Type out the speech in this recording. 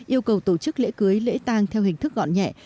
yêu cầu tổ chức lễ cưới lễ tang theo hình thức gọn nhẹ